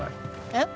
えっ？